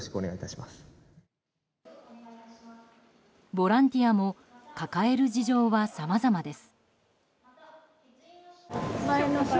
ボランティアも抱える事情はさまざまです。